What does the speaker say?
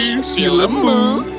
kasih pencuri si lembu